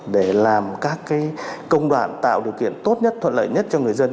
để làm các công đoạn tạo điều kiện tốt nhất thuận lợi nhất cho người dân